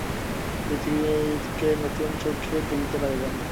পৃথিবীকে নূতন চক্ষে দেখিতে লাগিলেন।